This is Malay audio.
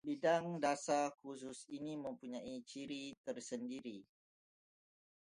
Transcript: Bidang dasar khusus ini mempunyai ciri tersendiri